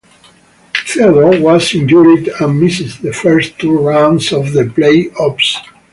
Theodore was injured and missed the first two rounds of the playoffs.